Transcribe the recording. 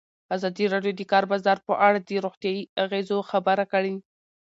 ازادي راډیو د د کار بازار په اړه د روغتیایي اغېزو خبره کړې.